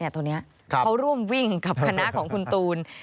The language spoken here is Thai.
ตอนนี้เขาร่วมวิ่งกับคณะของคุณตูน